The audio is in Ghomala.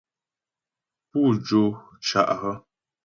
Pú jó cá' hə́ ?